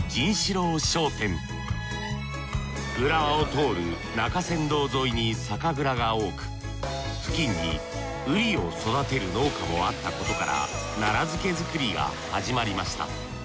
浦和を通る中山道沿いに酒蔵が多く付近にウリを育てる農家もあったことから奈良漬け作りが始まりました。